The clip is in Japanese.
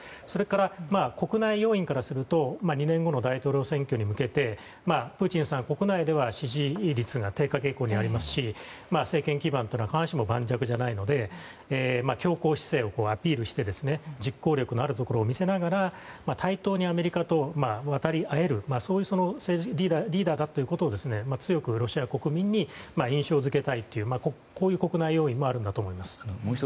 それから国内要因からすると２年後の大統領選挙に向けてプーチンさん、国内では支持率が低下傾向にありますし政権基盤というのは必ずしも盤石ではないので強硬姿勢をアピールして実行力のあるところを見せながら対等にアメリカと渡り合えるそういうリーダーだということを強くロシア国民に印象付けたいというこういう国内要因もあるんだと思います。